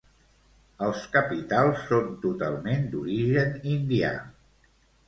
Els capitals són totalment d'origen indià.